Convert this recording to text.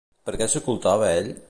Per què s'ocultava ell?